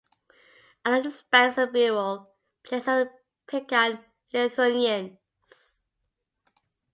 Along its banks are burial places of the pagan Lithuanians.